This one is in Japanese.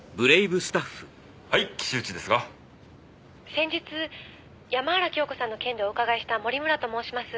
「先日山原京子さんの件でお伺いした守村と申します」